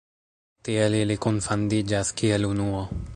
Tiel ili kunfandiĝas kiel unuo.